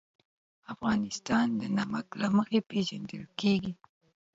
افغانستان د نمک له مخې پېژندل کېږي.